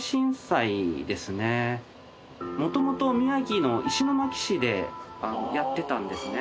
元々宮城の石巻市でやってたんですね。